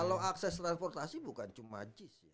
kalau akses transportasi bukan cuma jis